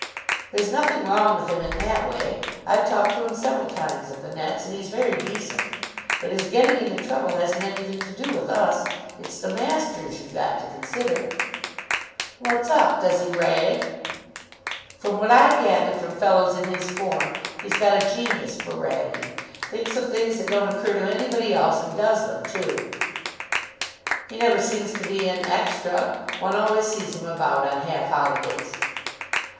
"There's nothing wrong with him in that way. I've talked to him several times at the nets, and he's very decent. But his getting into trouble hasn't anything to do with us. It's the masters you've got to consider." "What's up? Does he rag?" "From what I gather from fellows in his form he's got a genius for ragging. Thinks of things that don't occur to anybody else, and does them, too." "He never seems to be in extra. One always sees him about on half holidays."